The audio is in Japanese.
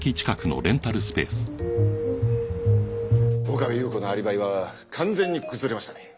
岡部祐子のアリバイは完全に崩れましたね。